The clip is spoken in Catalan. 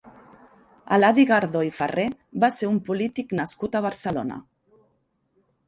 Eladi Gardó i Ferrer va ser un polític nascut a Barcelona.